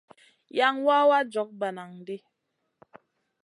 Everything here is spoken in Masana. Yan wawa jog bananʼ ɗi.